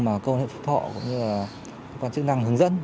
mà cơ quan hệ phục họ cũng như là cơ quan chức năng hướng dẫn